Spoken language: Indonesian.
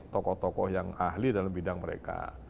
tokoh tokoh yang ahli dalam bidang mereka